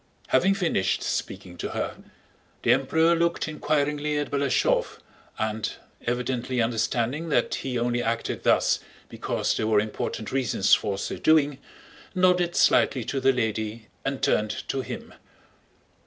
Having finished speaking to her, the Emperor looked inquiringly at Balashëv and, evidently understanding that he only acted thus because there were important reasons for so doing, nodded slightly to the lady and turned to him.